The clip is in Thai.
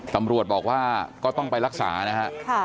ตำรวจบอกว่าก็ต้องไปรักษานะฮะ